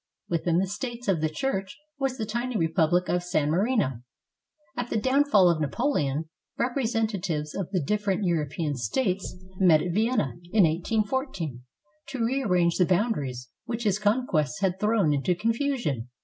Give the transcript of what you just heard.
Within the States of the Church was the tiny republic of San Marino, At the downfall of Napoleon, representatives of the differ ent European States met at Vienna in 1814 to rearrange the boundaries which his conquests had thrown into confusion.